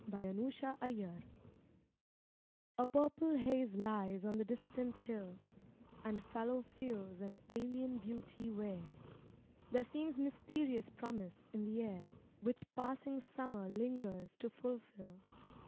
Unbian Summer PURPLE haze lies on the distant hill And fallow fields an alien beauty wear; There seems mysterious promise in the air Which passing Summer lingers to fulfil.